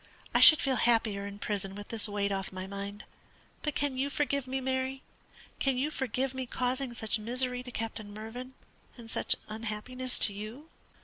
I should feel happier in prison with this weight off my mind. But can you forgive me, Mary? Can you forgive me causing such misery to Captain Mervyn, and such unhappiness to you?"